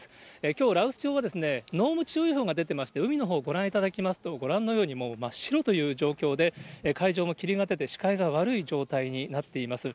きょう羅臼町は、濃霧注意報が出ていまして、海のほう、ご覧いただきますと、ご覧のように、真っ白という状況で、海上も霧が出て、視界が悪い状態になっています。